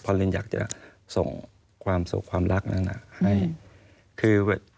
พอลลีนอยากจะส่งความสุขความรักนั้นน่ะให้